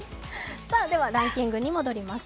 ではランキングに戻ります。